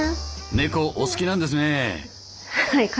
猫お好きなんですね。